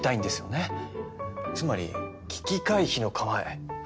つまり危機回避の構え